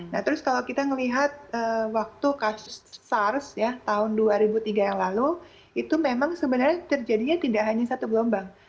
nah terus kalau kita melihat waktu sars ya tahun dua ribu tiga yang lalu itu memang sebenarnya terjadinya tidak hanya satu gelombang